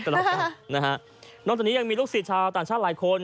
นอกจากนี้ยังมีลูกสิทธิ์ชาวต่างชาติหลายคน